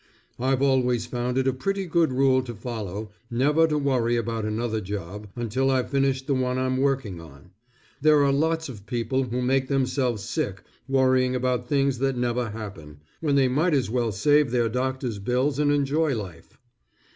I've always found it a pretty good rule to follow, never to worry about another job, until I've finished the one I'm working on. There are lots of people who make themselves sick worrying about things that never happen, when they might as well save their doctor's bills and enjoy life.